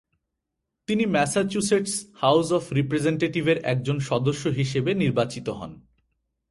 তিনি Massachusetts House of রিপ্রেজেন্টেটিভের একজন সদস্য হিসেবে নির্বাচিত হন।